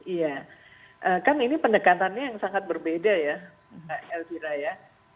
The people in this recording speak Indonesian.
iya kan ini pendekatannya yang sangat berbeda ya mbak elvira ya